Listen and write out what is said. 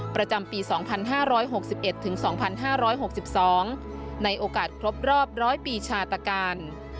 ประจำปี๒๕๖๑ถึง๒๕๖๒ในโอกาสครบรอบ๑๐๐ปีชาตการ